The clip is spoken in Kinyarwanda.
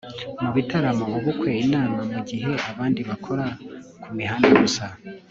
mu bitaramo, ubukwe, inama mu gihe abandi bakora ku mihanda gusa